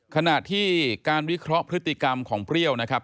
ขณะที่การวิเคราะห์พฤติกรรมของเปรี้ยวนะครับ